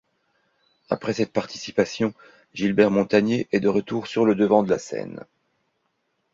Après cette participation, Gilbert Montagné est de retour sur le devant de la scène.